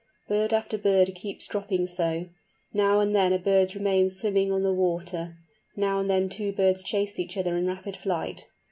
Bird after bird keeps dropping so; now and then a bird remains swimming on the water; now and then two birds chase each other in rapid flight.